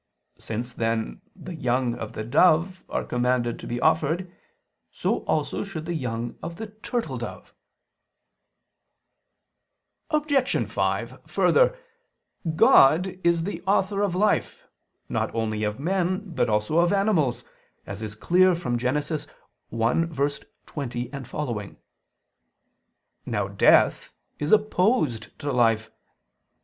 Since then the young of the dove are commanded to be offered, so also should the young of the turtledove. Obj. 5: Further, God is the Author of life, not only of men, but also of animals, as is clear from Gen. 1:20, seqq. Now death is opposed to life.